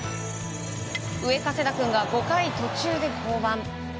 上加世田君が５回途中で降板。